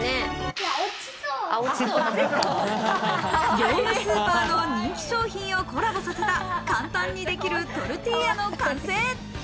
業務スーパーの人気商品をコラボさせた、簡単にできるトルティーヤの完成。